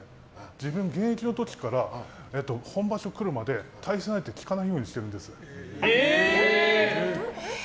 自分、現役の時から本場所来るまで対戦相手を聞かないようにしてるんですよ。